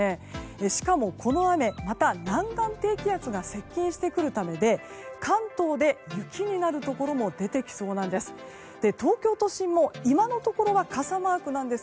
しかも、この雨は南岸低気圧が接近してくるためで関東で雪になるところも出てきそうなんです。